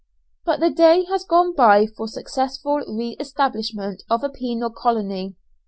But the day has gone by for successful re establishment of a penal colony.